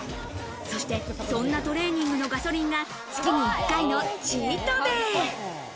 そして、そんなトレーニングのガソリンが月に１回のチートデイ。